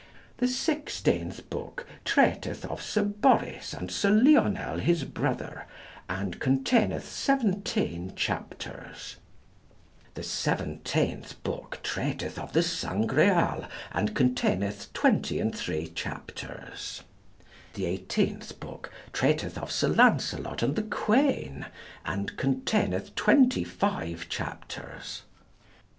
The sixteenth book treateth of Sir Boris and Sir Lionel his brother, and containeth 17 chapters. The seventeenth book treateth of the Sangreal, and containeth 23 chapters. The eighteenth book treateth of Sir Lancelot and the Queen, and containeth 25 chapters.